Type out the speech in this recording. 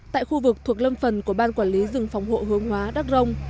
tại khu vực thuộc lâm phần của ban quản lý rừng phòng hộ hướng hóa đắc rông